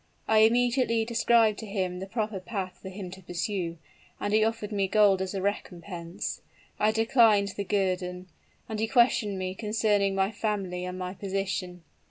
I immediately described to him the proper path for him to pursue; and he offered me gold as a recompense. I declined the guerdon; and he questioned me concerning my family and my position.